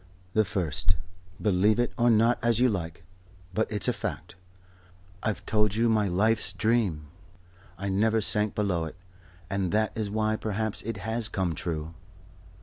"The first. Believe it or not as you like. But it's a fact. I've told you my life's dream. I never sank below it; and that is why perhaps it has come true."